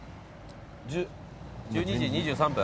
１２時２３分？